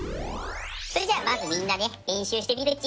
それじゃあまずみんな練習してみるッチ。